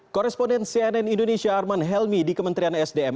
koresponden cnn indonesia arman helmi di kementerian sdm